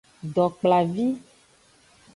Dokplavi.